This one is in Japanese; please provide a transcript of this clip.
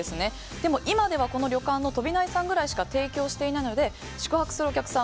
でも今では、この旅館の飛内さんぐらいしか提供していないので宿泊するお客さん